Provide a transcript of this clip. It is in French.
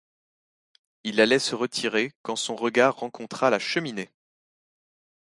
Il allait se retirer quand son regard rencontra la cheminée.